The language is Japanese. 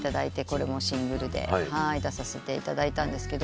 これもシングルで出させていただいたんですが。